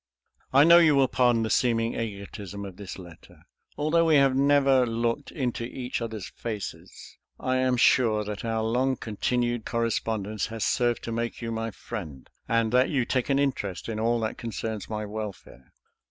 I know you will pardon the seeming egotism of this letter. Although we have never looked into each other's faces, I am sure that our long continued correspondence has served to make you my friend, and that you take an interest in all that concerns my welfare.